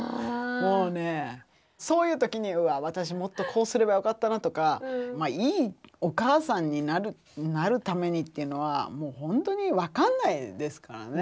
もうねそういう時に私もっとこうすればよかったなとかいいお母さんになるためにっていうのはもうほんとに分かんないですからね。